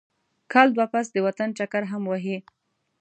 کال دوه پس د وطن چکر هم وهي.